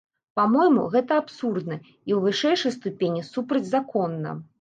Па-мойму, гэта абсурдна, і ў вышэйшай ступені супрацьзаконна.